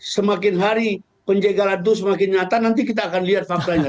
semakin hari penjegalan itu semakin nyata nanti kita akan lihat fakta nya